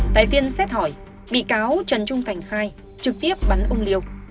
tại phiên xét hỏi bị cáo trần trung thành khai trực tiếp bắn ông liêu